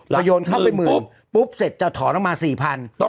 โยนเข้าไปหมื่นปุ๊บเสร็จจะถอนออกมา๔๐๐บาท